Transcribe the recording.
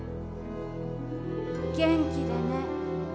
元気でね。